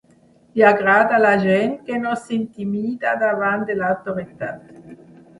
Li agrada la gent que no s'intimida davant de l'autoritat.